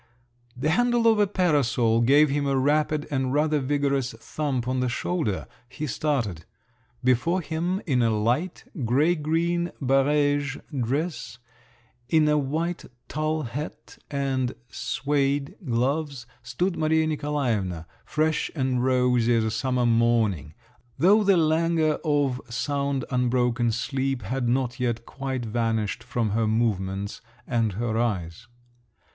The handle of a parasol gave him a rapid, and rather vigorous, thump on the shoulder. He started…. Before him in a light, grey green barége dress, in a white tulle hat, and suède gloves, stood Maria Nikolaevna, fresh and rosy as a summer morning, though the languor of sound unbroken sleep had not yet quite vanished from her movements and her eyes.